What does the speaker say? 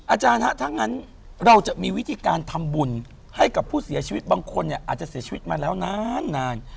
อาจารย์ฮะถ้างั้นเราจะมีวิธีการทำบุญให้กับผู้เสียชีวิตบางคนเนี่ยอาจจะเสียชีวิตมาแล้วนาน